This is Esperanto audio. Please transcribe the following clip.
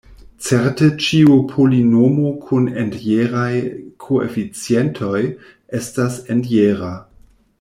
Certe ĉiu polinomo kun entjeraj koeficientoj estas entjera.